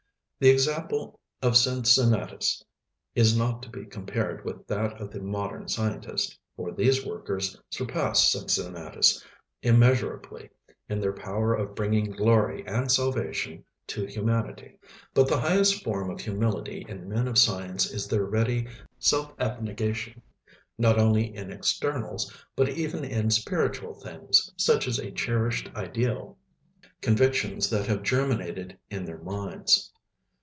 The example of Cincinnatus is not to be compared with that of the modern scientist, for these workers surpass Cincinnatus immeasurably, in their power of bringing glory and salvation to humanity. But the highest form of humility in men of science is their ready self abnegation, not only in externals, but even in spiritual things, such as a cherished ideal, convictions that have germinated in their minds.